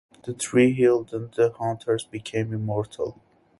The tree healed, and the hunters became immortal.